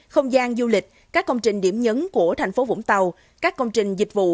không gian du lịch các công trình điểm nhấn của tp vũng tàu các công trình dịch vụ